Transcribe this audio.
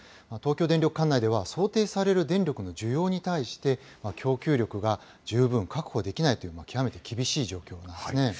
東京電力管内では想定される電力の需要に対して、供給力が十分確保できないという、極めて厳しい状況なんですね。